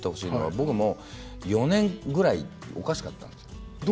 僕も４年ぐらいおかしかったんですよ。